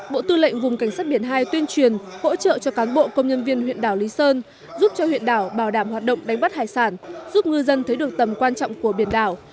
bộ tư lệnh vùng cảnh sát biển hai tuyên truyền hỗ trợ cho cán bộ công nhân viên huyện đảo lý sơn giúp cho huyện đảo bảo đảm hoạt động đánh bắt hải sản giúp ngư dân thấy được tầm quan trọng của biển đảo